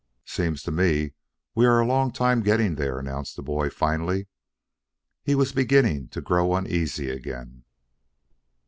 "Seems to me we are a long time getting there," announced the boy finally. He was beginning to grow uneasy again.